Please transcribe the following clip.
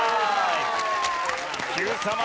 Ｑさま！！